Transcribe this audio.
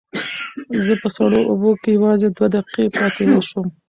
زه په سړو اوبو کې یوازې دوه دقیقې پاتې شوم.